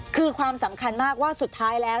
คือความสำคัญมากว่าสุดท้ายแล้ว